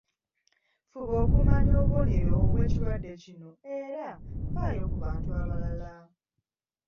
Fuba okumanya obubonero bw’ekirwadde kino era faayo ku bantu abalala.